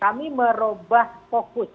kami merubah fokus